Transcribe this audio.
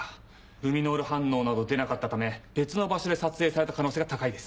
ルミノール反応など出なかったため別の場所で撮影された可能性が高いです。